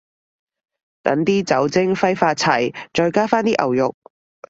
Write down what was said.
等啲酒精揮發齊，再加返啲牛肉